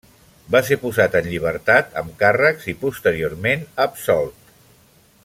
Va ser posat en llibertat amb càrrecs, i posteriorment absolt.